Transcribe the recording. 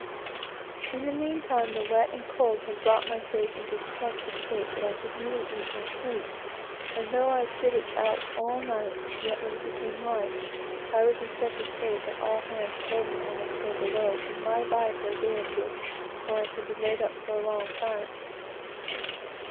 In the meantime, the wet and cold had brought my face into such a state that I could neither eat nor sleep; and though I stood it out all night, yet, when it became light, I was in such a state, that all hands told me I must go below, and lie by for a day or two, or I should be laid up for a long time, and perhaps have the lock jaw.